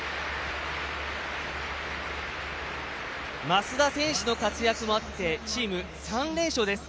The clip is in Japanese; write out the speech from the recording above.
増田選手の活躍もあってチーム３連勝です。